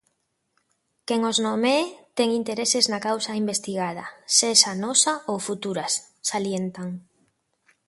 "Quen os nomee ten intereses na causa investigada, sexa nosa ou futuras", salientan.